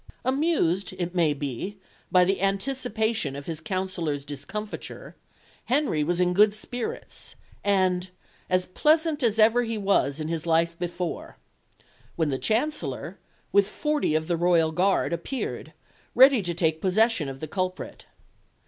Amused, it may be, by the anticipation of his counsellors' discomfiture, Henry was in good spirits and "as pleasant as ever he was in his life before," when the Chancellor, with forty of the royal guard, appeared, ready to take possession of the culprit.